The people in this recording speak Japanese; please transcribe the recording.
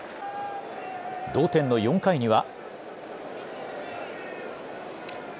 同点の４回には。